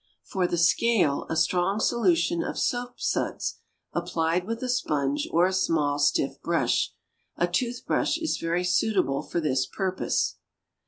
For the SCALE a strong solution of soap suds applied with a sponge or a small stiff brush. A tooth brush is very suitable for this purpose.